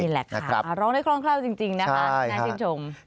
นี่แหละค่ะร้องได้คร่องคร่าวจริงนะครับนายชิมชม